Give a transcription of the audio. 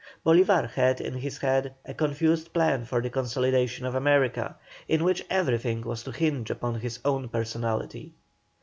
Bolívar had in his head a confused plan for the consolidation of America, in which everything was to hinge upon his own personality.